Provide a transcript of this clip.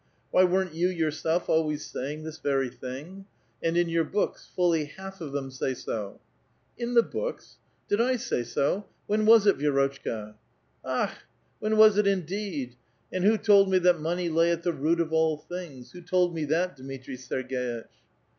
Why, weren't you yourself always saying this very thing? And in your books — fully half of them say so !" ''In the books? Did I sav so? When was it, Vi6 rotchka?" '' Akh! when was it indeed ! and who told me that money lay at the root of all things? Who told me that, Dmitri Serg^itch